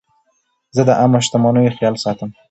زه د عامه شتمنیو خیال ساتم.